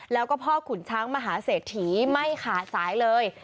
แล้วก็พ่อขุนช้างมหาเศรษฐีไม่ขาดสายเลย